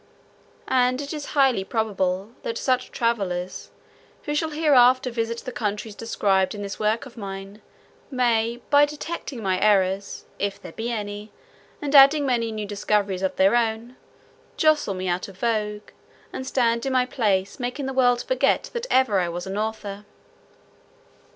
And it is highly probable, that such travellers, who shall hereafter visit the countries described in this work of mine, may, by detecting my errors (if there be any), and adding many new discoveries of their own, justle me out of vogue, and stand in my place, making the world forget that ever I was an author.